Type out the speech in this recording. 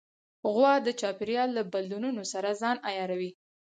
غوا د چاپېریال له بدلونونو سره ځان عیاروي.